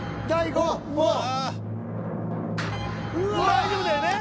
大丈夫だよね。